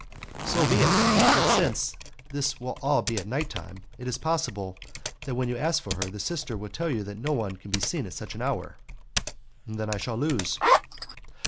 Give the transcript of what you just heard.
"So be it; but since all this will be at nighttime, it is possible that when you ask for her, the sister will tell you that no one can be seen at such an hour." "Then I shall lose."